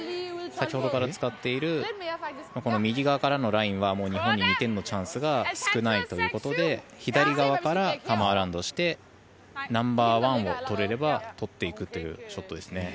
先ほどから使っている右側からのラインは日本に２点のチャンスが少ないということで左側からカム・アラウンドしてナンバーワンを取れれば取っていくというショットです。